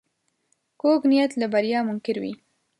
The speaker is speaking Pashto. کوږ نیت له بریا منکر وي